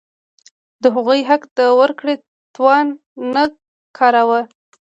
هغوی د حق د ورکړې توان نه کاراوه.